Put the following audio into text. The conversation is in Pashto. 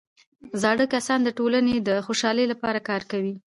زاړه کسان د ټولنې د خوشحالۍ لپاره کار کوي